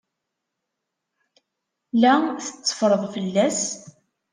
La tetteffreḍ fell-as?